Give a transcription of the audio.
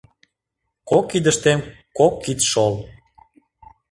Кок кидыштем кок кидшол